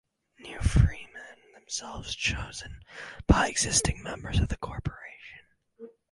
New freemen are themselves chosen by existing members of the corporation.